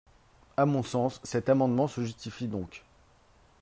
À mon sens, cet amendement se justifie donc.